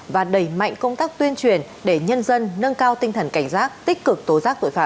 và đẩy mạnh công tác tuyên truyền để nhân dân nâng cao tinh thần cảnh giác tích cực tố giác tội phạm